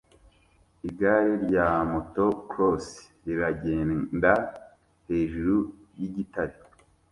Igare rya motocross riragenda hejuru yigitare